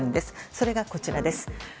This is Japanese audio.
それが、こちらです。